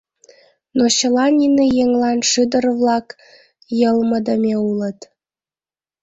Но чыла нине еҥлан шӱдыр-влак йылмыдыме улыт.